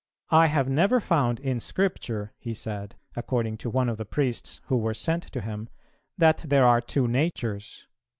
"'I have never found in Scripture,' he said," according to one of the Priests who were sent to him, "'that there are two natures.'